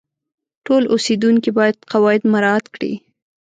ټول اوسیدونکي باید قواعد مراعات کړي.